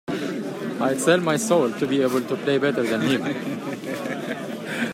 I’d sell my soul to be able to play better than him.